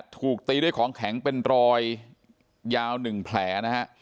ถูกตีด้วยของแข็งเป็นรอยยาว๑แผลนะฮะ